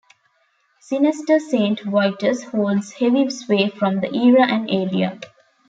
Zinester Saint Vitus holds heavy sway from the era and area.